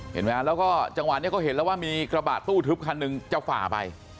เห็นไหมฮะแล้วก็จังหวะนี้เขาเห็นแล้วว่ามีกระบะตู้ทึบคันหนึ่งจะฝ่าไป